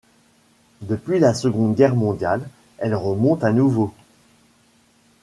Depuis la Seconde Guerre mondiale, elle remonte à nouveau.